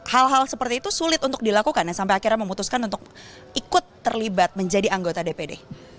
hal hal seperti itu sulit untuk dilakukan sampai akhirnya memutuskan untuk ikut terlibat menjadi anggota dpd